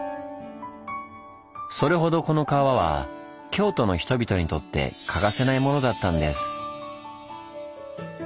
それほどこの川は京都の人々にとって欠かせないものだったんです。